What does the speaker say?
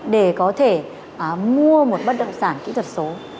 để có thể mua một bất động sản kỹ thuật số